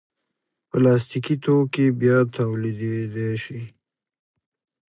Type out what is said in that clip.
پلاستيکي توکي بیا تولیدېدای شي.